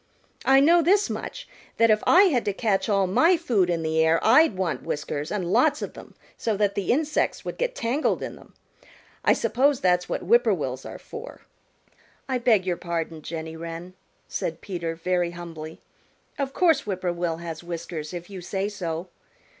I know this much, that if I had to catch all my food in the air I'd want whiskers and lots of them so that the insects would get tangled in them. I suppose that's what Whip poor will's are for." "I beg your pardon, Jenny Wren," said Peter very humbly. "Of course Whip poor will has whiskers if you say so.